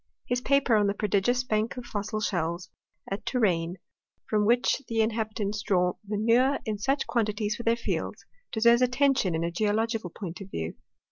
His paper on the prodigious bank of fossil shells at Touraine, from which the inhabitants draw manure in such quantities for their fields, deserves attention in a geological point of view.